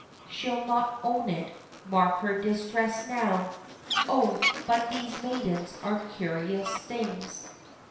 she'll not own it mark her distress now Oh! but these maidens are curious things!"